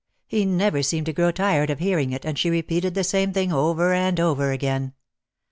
He never seemed to grow tired of hearing it and she repeated the same thing over and over again.